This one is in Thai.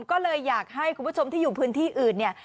ก็เลยอยากให้คุณผู้ชมที่อยู่พื้นที่อื่นเนี่ย